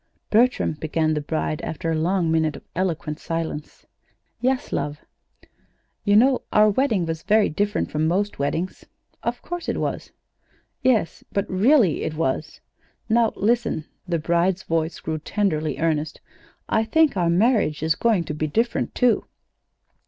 "Bertram," began the bride, after a long minute of eloquent silence. "Yes, love." "You know our wedding was very different from most weddings." "Of course it was!" "Yes, but really it was. Now listen." The bride's voice grew tenderly earnest. "I think our marriage is going to be different, too."